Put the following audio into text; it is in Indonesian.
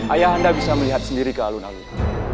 ayah anda bisa melihat sendiri ke alun alun